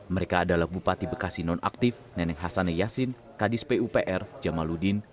mereka adalah bupati bekasi nonaktif neneng hasan yasin kadis pupr jamaludin